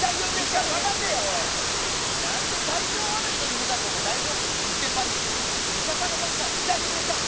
医者探せやおい何で体調悪い人に向かって大丈夫ですか？の一点張りやねん医者探さんかい大丈夫ですか？